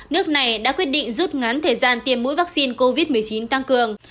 nước này đã quyết định rút ngắn thời gian tiêm mũi vaccine covid một mươi chín tăng cường